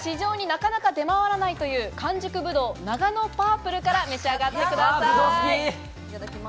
まずは市場になかなか出回らないという完熟ブドウ、ナガノパープルから召し上がってください。